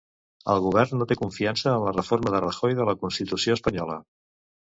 El govern no té confiança en la reforma de Rajoy de la constitució espanyola.